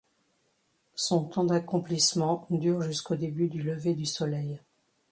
Son temps d'accomplissement dure jusqu'au début du lever du soleil.